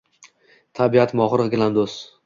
Tabiat – mohir gilamdo’z.